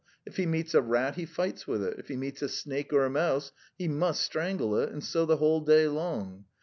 If he meets a rat, he fights with it; if he meets a snake or a mouse, he must strangle it; and so the whole day long.